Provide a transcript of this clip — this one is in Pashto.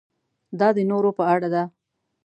دا د نورو په اړه ده.